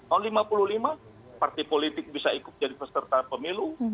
tahun seribu sembilan ratus lima puluh lima partai politik bisa ikut jadi peserta pemilu